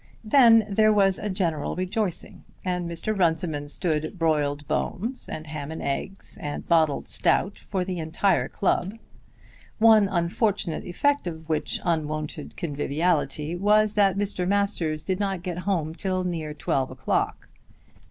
Then there was a general rejoicing, and Mr. Runciman stood broiled bones, and ham and eggs, and bottled stout for the entire club; one unfortunate effect of which unwonted conviviality was that Mr. Masters did not get home till near twelve o'clock.